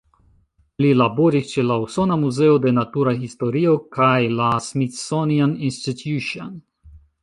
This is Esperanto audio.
Li laboris ĉe la Usona Muzeo de Natura Historio kaj la "Smithsonian Institution".